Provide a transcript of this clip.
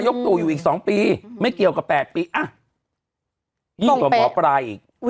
ยิ่งกว่าหมอปลาย